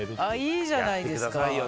いいじゃないですか。